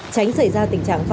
tránh xảy ra tình trạng